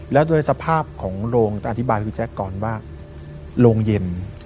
แล้วโดยสภาพของโรงจะอธิบายให้พี่แจ๊คก่อนว่าโรงเย็น